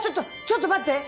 ちょっと待って！